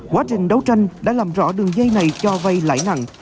quá trình đấu tranh đã làm rõ đường dây này cho vay lãi nặng